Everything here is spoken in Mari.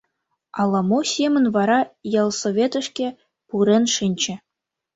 Ала-мо семын вара ялсоветышке пурен шинче.